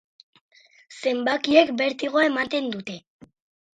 Zenbakiek bertigoa ematen dute.